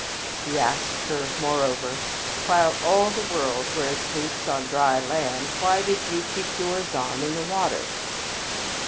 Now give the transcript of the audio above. He asked her, moreover, "While all the world wears boots on dry land, why did you keep yours on in the water?"